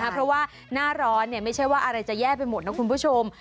เพราะว่าหน้าร้อนไม่ใช่ว่าอะไรจะแย่ไปหมดนะคุณผู้ชม